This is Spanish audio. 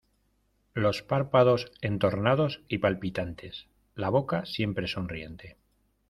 los párpados entornados y palpitantes, la boca siempre sonriente